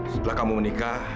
setelah kamu menikah